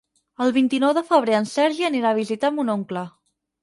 El vint-i-nou de febrer en Sergi anirà a visitar mon oncle.